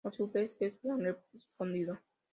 A su vez estos han respondido.